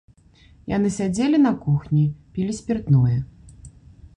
Яны сядзелі на кухні, пілі спіртное.